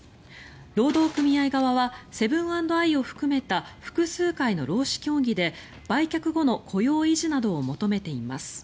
労働組合側はセブン＆アイを含めた複数回の労使協議で売却後の雇用維持などを求めています。